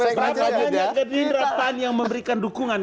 berapa banyak gerindra pan yang memberikan dukungan